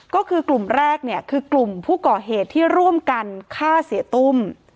ก็คือกลุ่มแรกเนี่ยคือกลุ่มผู้ก่อเหตุที่ร่วมกันฆ่าเสียตุ้ม